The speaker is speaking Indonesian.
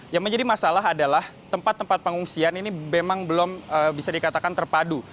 yang menjadi masalah adalah tempat tempat pengungsian ini memang belum bisa dikatakan terpadu